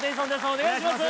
お願いします